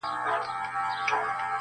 عالمونو زنده باد نارې وهلې،